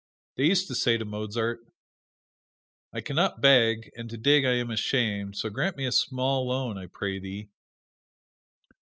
They used to say to Mozart, "I can not beg and to dig I am ashamed so grant me a small loan, I pray thee."